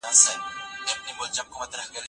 هغه خلګ چي مطالعه نه کوي تل په غفلت کې وي.